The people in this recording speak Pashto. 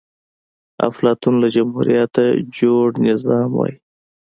افلاطون له جمهوريته جوړ نظام وای